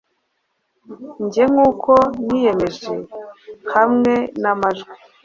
Njye, nkuko niyemeje, hamwe namajwi